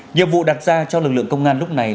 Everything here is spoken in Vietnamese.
nhiệm vụ đặt ra cho lực lượng công an lúc này